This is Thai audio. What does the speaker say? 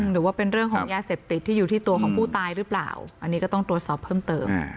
หรือว่าเป็นเรื่องของยาเสพติดที่อยู่ที่ตัวของผู้ตายหรือเปล่าอันนี้ก็ต้องตรวจสอบเพิ่มเติม